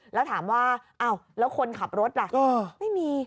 แล้วถามว่าอ้าวแล้วคนขับรถล่ะไม่มี